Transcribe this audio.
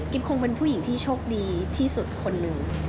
คงเป็นผู้หญิงที่โชคดีที่สุดคนหนึ่ง